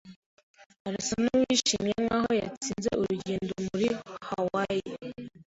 Arasa nuwishimye nkaho yatsinze urugendo muri Hawaii.